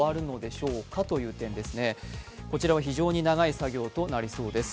こちらも非常に長い時間となりそうです。